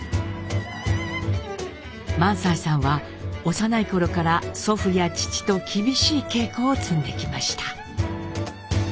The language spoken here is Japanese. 萬斎さんは幼い頃から祖父や父と厳しい稽古を積んできました。